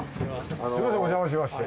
すみませんおじゃましまして。